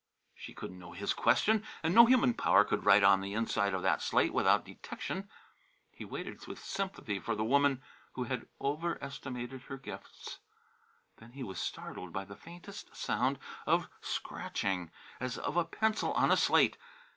She couldn't know his question and no human power could write on the inside of that slate without detection. He waited with sympathy for the woman who had overestimated her gifts. Then he was startled by the faintest sound of scratching, as of a pencil on a slate.